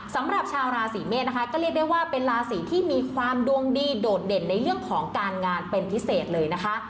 สำหรับชาวราศีเมษนะคะก็เรียกได้ว่าเป็นราศีที่มีความดวงดีโดดเด่นในเรื่องของการงานเป็นพิเศษเลยนะคะ